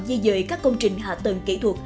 di dời các công trình hạ tầng kỹ thuật